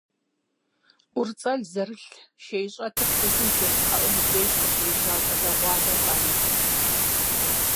ӀурыцӀэлъ зэрылъ шейщӀэтыр фызым бжэщхьэӀум и деж къыщежьэ щӀалэгъуалэм къаритырт.